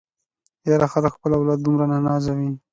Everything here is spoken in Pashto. ياره خلک خپل اولاد دومره نه نازوي.